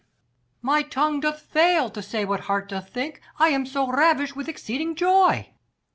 /Vr.FMy tongue doth fail, to say what heart doth think J I am so ravish'd with exceeding joy.